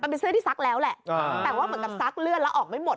เป็นเสื้อที่ซักแล้วแหละแต่ว่าเหมือนกับซักเลือดแล้วออกไม่หมด